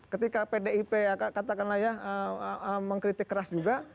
ketika pdip katakanlah ya